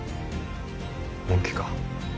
本気か？